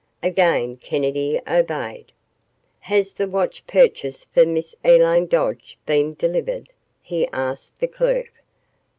Again Kennedy obeyed. "Has the watch purchased for Miss Elaine Dodge been delivered?" he asked the clerk.